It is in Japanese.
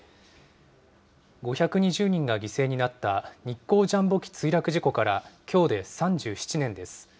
５２０人が犠牲になった日航ジャンボ機墜落事故から、きょうで３７年です。